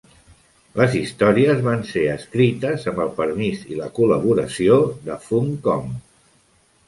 Les històries van ser escrites amb el permís i la col·laboració de Funcom.